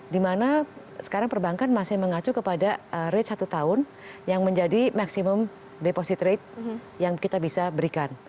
dimana sekarang perbankan masih mengacu kepada rate satu tahun yang menjadi maksimum deposit rate yang kita bisa berikan